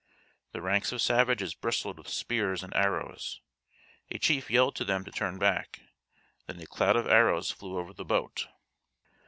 The ranks of savages bristled with spears and arrows. A chief yelled to them to turn back. Then a cloud of arrows flew over the boat.